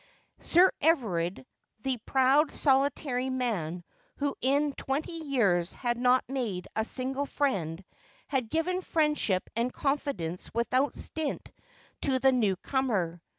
Sir Everard. the proud, solitary man, who in twenty years had not made a single friend, had given friendship and confidence without stint to the new comer.